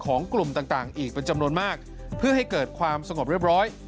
กลุ่มต่างอีกเป็นจำนวนมากเพื่อให้เกิดความสงบเรียบร้อย